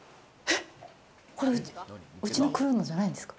これ、うちのクルーのじゃないんですか？